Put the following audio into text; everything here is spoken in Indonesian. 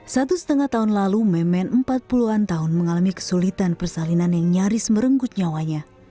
satu setengah tahun lalu memen empat puluh an tahun mengalami kesulitan persalinan yang nyaris merenggut nyawanya